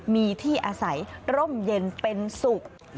มีที่อาศัยร่มเย็นเป็นสุข